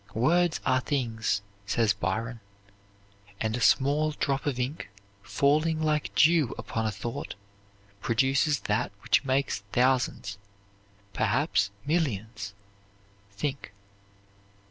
"Words are things" says Byron, "and a small drop of ink, falling like dew upon a thought, produces that which makes thousands, perhaps millions, think."